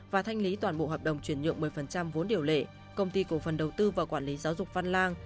và thanh lý toàn bộ hợp đồng chuyển nhượng một mươi vốn điều lệ công ty cổ phần đầu tư và quản lý giáo dục văn lang